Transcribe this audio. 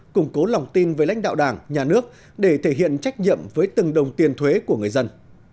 củng cố lòng tin với lãnh đạo đảng nhà nước để thể hiện trách nhiệm với từng đồng tiền thuế của người dân